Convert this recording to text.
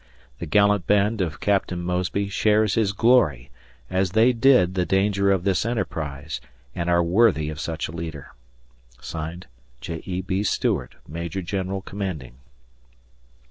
The gallant band of Captain Mosby shares his glory, as they did the danger of this enterprise, and are worthy of such a leader. J. E. B. Stuart, Major General Commanding.